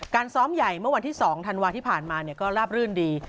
ซ้อมใหญ่เมื่อวันที่๒ธันวาที่ผ่านมาก็ราบรื่นดี